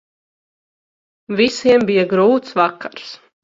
Visiem bija grūts vakars.